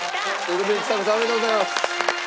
おめでとうございます。